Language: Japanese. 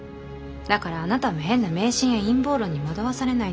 だからあなたも変な迷信や陰謀論に惑わされないで今すぐに。